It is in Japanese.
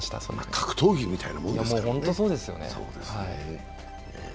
格闘技みたいなもんだもんね。